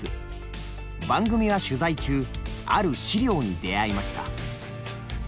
番組は取材中ある資料に出会いました。